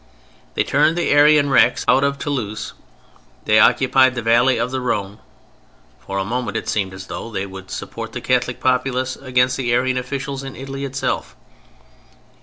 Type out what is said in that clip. They turned the Arian Rex out of Toulouse, they occupied the valley of the Rhone. For a moment it seemed as though they would support the Catholic populace against the Arian officials in Italy itself.